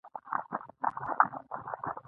د چخانسور کلی موقعیت